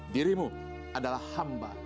dirimu adalah hamba